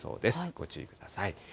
ご注意ください。